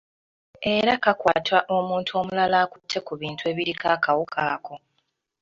Era kakwata omuntu omulala akutte ku bintu ebiriko akawuka ako.